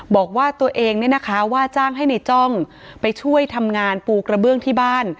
บอกว่าตัวเองเนี่ยนะคะว่าจ้างให้ในจ้องไปช่วยทำงานปูกระเบื้องที่บ้าน